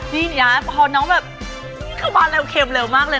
นี่นะพอน้องแบบเข้ามาเร็วเข็มเร็วมากเลย